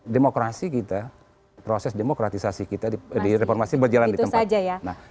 demokrasi kita proses demokratisasi kita di reformasi berjalan di tempat